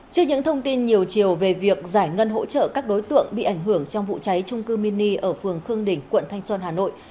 trước những thông tin nhiều chiều về việc giải ngân hỗ trợ các đối tượng bị ảnh hưởng trong vụ cháy trung cư mini ở phường khương đình quận thanh xuân hà nội